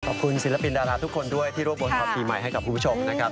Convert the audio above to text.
ศิลปินดาราทุกคนด้วยที่รวบรวมความปีใหม่ให้กับคุณผู้ชมนะครับ